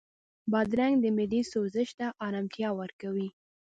بادرنګ د معدې سوزش ته ارامتیا ورکوي.